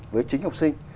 với chính học sinh